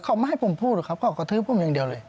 เขาไม่ให้ผมพูดครับเขากระทืบผมอย่างเดียวเลย